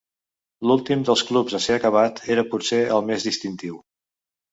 L'últim dels clubs a ser acabat era potser el més distintiu.